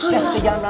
jalan jalan jalan